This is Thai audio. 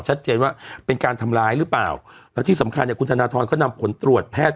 ชัดเจนว่าเป็นการทำร้ายหรือเปล่าแล้วที่สำคัญเนี่ยคุณธนทรก็นำผลตรวจแพทย์